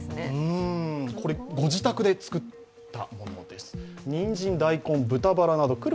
これ、ご自宅で作ったものです。